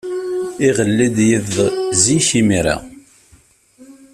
Iɣelli-d yiḍ zik imir-a.